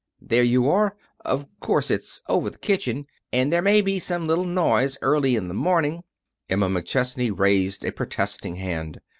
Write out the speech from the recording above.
There you are! Of course, it's over the kitchen, and there may be some little noise early in the morning " Emma McChesney raised a protesting hand.